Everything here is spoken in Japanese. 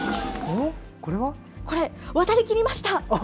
これ渡りきりました。